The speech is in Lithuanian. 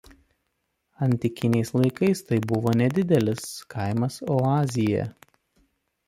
Antikiniais laikais tai buvo nedidelis kaimas oazėje.